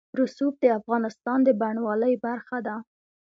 رسوب د افغانستان د بڼوالۍ برخه ده.